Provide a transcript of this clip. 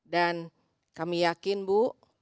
kami yakin bu